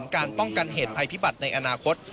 การป้องกันเหตุภัยพิบัติในอนาคต